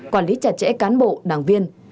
quản lý chặt chẽ cán bộ đảng viên